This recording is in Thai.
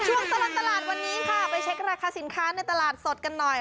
ตลอดตลาดวันนี้ค่ะไปเช็คราคาสินค้าในตลาดสดกันหน่อย